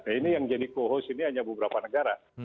ini yang jadi co host ini hanya beberapa negara